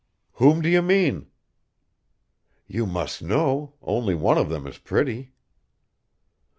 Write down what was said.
"Whom do you mean?" "You must know; only one of them is pretty."